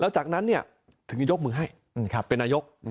แล้วจากนั้นเนี่ยถึงยกมือให้เป็นนายก